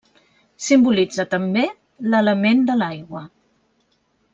Simbolitza, també, l'element de l'aigua.